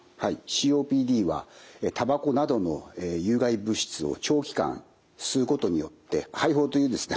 ＣＯＰＤはタバコなどの有害物質を長期間吸うことによって肺胞というですね